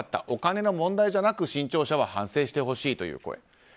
お金の問題じゃなく新潮社は反省してほしいという声。